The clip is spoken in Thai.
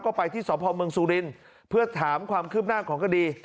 ก็ไปที่สพเมืองสุรินทร์เพื่อถามความคืบหน้าของคดี